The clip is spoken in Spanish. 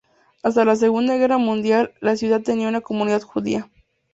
Hasta la Segunda Guerra Mundial, la ciudad tenía una comunidad judía.